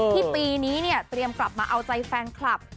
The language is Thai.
ปีนี้เนี่ยเตรียมกลับมาเอาใจแฟนคลับ